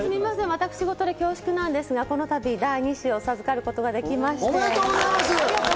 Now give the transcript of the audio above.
私事で恐縮なんですが、このたび第２子を授かることができました。